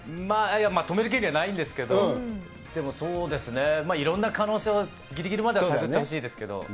止める権利はないんですけど、でも、そうですね、いろんな可能性をぎりぎりまで探ってほしいですけど。